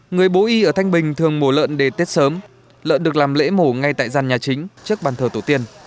người bố y ở thanh bình thường mổ lợn để tết sớm lợn được làm lễ mổ ngay tại gian nhà chính trước bàn thờ tổ tiên